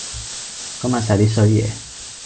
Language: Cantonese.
講埋哂啲衰嘢